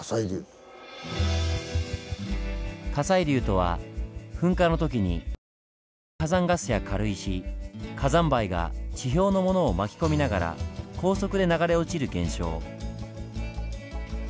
火砕流とは噴火の時に高温の火山ガスや軽石火山灰が地表のものを巻き込みながら高速で流れ落ちる現象。